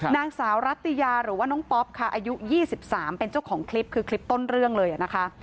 นางสาวรัตยาหรือว่าน้องป๊อปค่ะอายุ๒๓เป็นเจ้าของคลิปคือคลิปต้นเรื่องเลยนะคะ